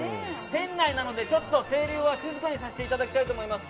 店内なので声量は静かにさせていただきたいと思います。